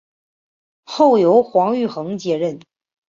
后由黄玉衡接任。